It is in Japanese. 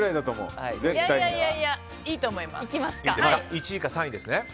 １位か３位ですね。